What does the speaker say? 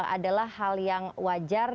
adalah hal yang wajar